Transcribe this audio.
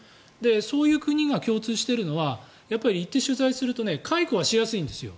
そういう国が共通しているのは行って取材すると解雇がしやすいんですよ。